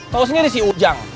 terusnya di si ujang